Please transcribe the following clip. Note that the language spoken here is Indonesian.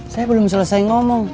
saya belum selesai ngomong